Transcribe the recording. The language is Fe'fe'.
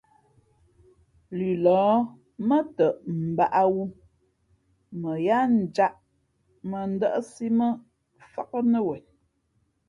Lʉlɔ̌ mά tαʼ mbǎʼwū mα yáá njāʼ mᾱdάʼsí mά fák nά wen.